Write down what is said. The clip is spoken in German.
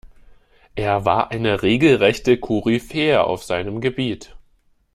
Er war eine regelrechte Koryphäe auf seinem Gebiet.